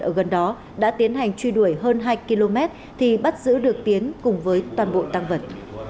ở gần đó đã tiến hành truy đuổi hơn hai km thì bắt giữ được tiến cùng với toàn bộ tăng vật